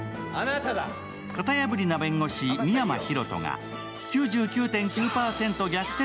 型破りな弁護士、深山大翔が９９．９％逆転